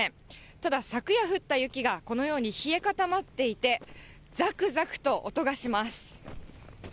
ただ、昨夜降った雪がこのように冷え固まっていて、ざくざくと音がします。